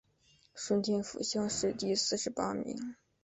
顺天府乡试第四十八名。